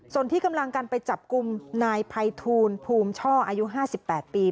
ส่วนที่กำลังกันไปจับกลุ่มนายภัยทูลภูมิช่ออายุ๕๘ปี